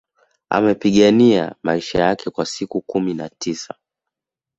Amepigania maisha yake kwa siku kumi na tisa